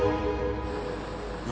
何？